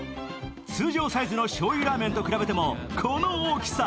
通常サイズの醤油ラーメンと比べてもこの大きさ。